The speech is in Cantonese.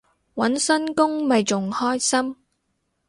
搵新工咪仲開心